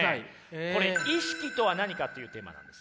これ意識とは何かっていうテーマなんです。